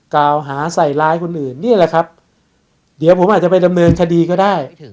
กล่าวหาใส่ร้ายคนอื่นนี่แหละครับเดี๋ยวผมอาจจะไปดำเนินคดีก็ได้